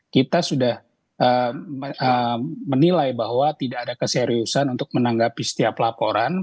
kita sudah menilai bahwa tidak ada keseriusan untuk menanggapi setiap laporan